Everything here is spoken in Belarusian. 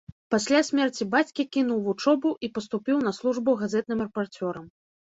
Пасля смерці бацькі кінуў вучобу і паступіў на службу газетным рэпарцёрам.